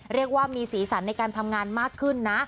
เรียกว่ามีสีสันในการทำงานมากขึ้นนะ